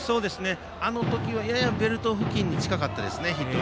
あの時はややベルト付近に近かったですね。